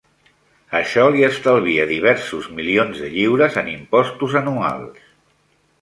Això li estalvia diversos milions de lliures en impostos anuals.